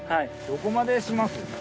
どこまでします？